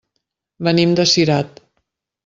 Venim de Cirat.